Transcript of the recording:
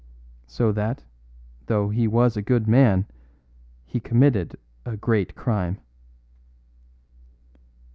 So that, though he was a good man, he committed a great crime."